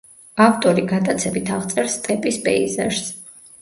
ავტორი გატაცებით აღწერს სტეპის პეიზაჟს.